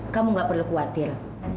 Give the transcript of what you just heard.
kamu gak perlu khawatir